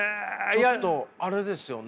ちょっとあれですよね